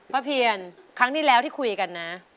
เพียรครั้งที่แล้วที่คุยกันนะ